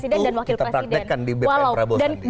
dan itu kita praktekkan di bp prabowo sandi